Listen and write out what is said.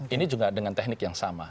ini juga dengan teknik yang sama